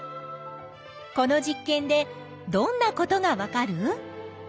この実験でどんなことがわかる？